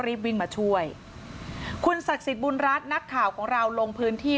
รีบวิ่งมาช่วยคุณศักดิ์สิทธิ์บุญรัฐนักข่าวของเราลงพื้นที่